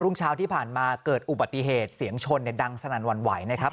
่งเช้าที่ผ่านมาเกิดอุบัติเหตุเสียงชนดังสนั่นหวั่นไหวนะครับ